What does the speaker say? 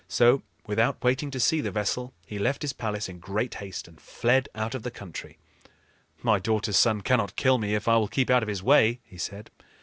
So, without waiting to see the vessel, he left his palace in great haste and fled out of the country. "My daughter's son cannot kill me if I will keep out of his way," he said.